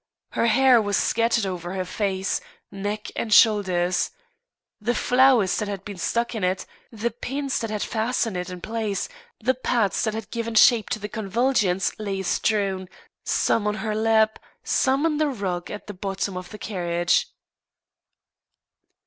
Her hair was scattered over her face, neck, and shoulders; the flowers that had been stuck in it, the pins that had fastened it in place, the pads that had given shape to the convolutions lay strewn, some on her lap, some in the rug at the bottom of the carriage.